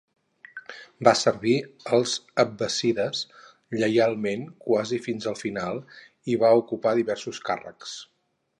Va servir els abbàssides lleialment quasi fins al final i va ocupar diversos càrrecs.